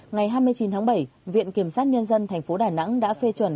ngày hai mươi chín tháng bảy viện kiểm sát nhân dân thành phố đà nẵng đã phê chuẩn